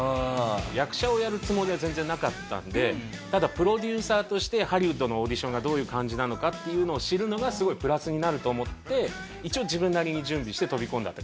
役者をやるつもりは全然なかったんでただプロデューサーとしてハリウッドのオーディションがどういう感じなのかっていうのを知るのがすごいプラスになると思って一応自分なりに準備して飛び込んだって感じでした。